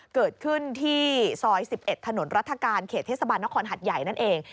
เกิดขึ้นที่ซอย๑๑ถนนรัฐกาลเขตเทศบาลนครหัดใหญ่นั่นเอง